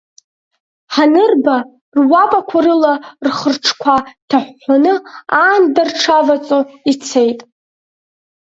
Ҳанырба, руапақәа рыла рхырҿқәа ҭаҳәҳәаны, аанда рҽаваӡо ицеит.